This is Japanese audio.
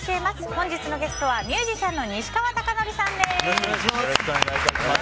本日のゲストはミュージシャンの西川貴教さんです。